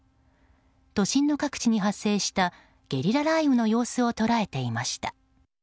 都心の各地に発生したゲリラ雷雨の様子を捉えていました。